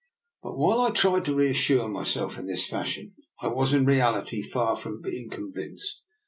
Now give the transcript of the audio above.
But while I tried to reassure myself in this fashion I was in reality far from being convinced.